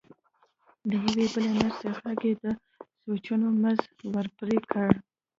د يوې بلې نرسې غږ يې د سوچونو مزی ور پرې کړ.